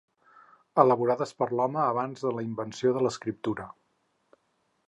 Elaborades per l'home abans de la invenció de l'escriptura.